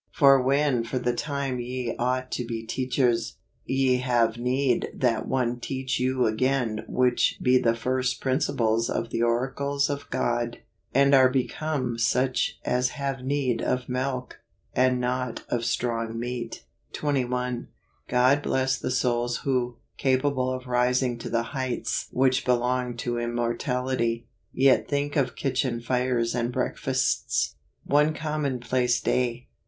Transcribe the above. " For when for the time ye ought to be teachers, ye have need that one teach you again which be the first principles of the oracles of God; and are be¬ come such as have need of milk, and not of strong meat." 21. God bless the souls who, capable of rising to the heights which belong to im¬ mortality, yet think of kitchen tires and breakfasts. One Commonplace Day.